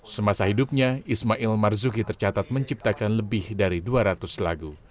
semasa hidupnya ismail marzuki tercatat menciptakan lebih dari dua ratus lagu